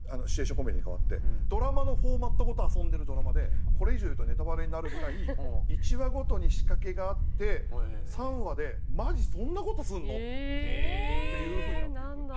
コメディーに変わってドラマのフォーマットごと遊んでるドラマでこれ以上言うとネタバレになるぐらい１話ごとに仕掛けがあって３話でマジそんなことすんのっていうふうになっていく。